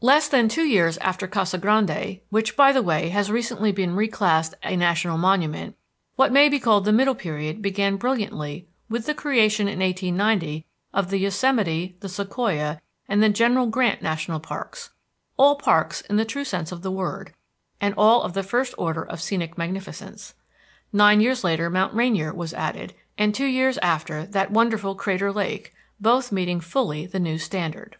Less than two years after Casa Grande, which, by the way, has recently been re classed a national monument, what may be called the middle period began brilliantly with the creation, in 1890, of the Yosemite, the Sequoia, and the General Grant National Parks, all parks in the true sense of the word, and all of the first order of scenic magnificence. Nine years later Mount Rainier was added, and two years after that wonderful Crater Lake, both meeting fully the new standard.